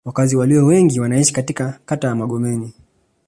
Wakazi walio wengi wanaishi katika kata ya Magomeni